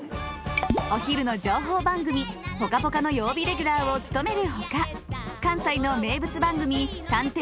お昼の情報番組「ぽかぽか」の曜日レギュラーを務める他関西の名物番組「探偵！